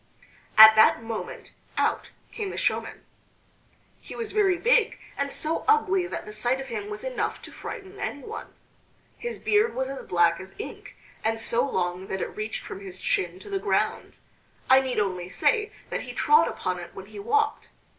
At that moment out came the showman. He was very big and so ugly that the sight of him was enough to frighten anyone. His beard was as black as ink, and so long that it reached from his chin to the ground. I need only say that he trod upon it when he walked.